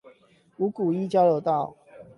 五股一交流道